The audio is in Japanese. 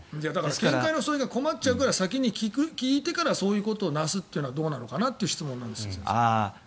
見解の相違が困っちゃうから先に聞いてからそういうことをなすのはどうなのかなという質問なんです先生。